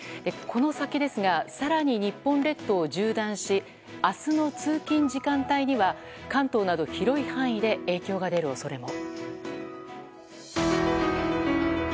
この先ですが更に日本列島を縦断し明日の通勤時間帯には関東など広い範囲で影響が出る恐れも。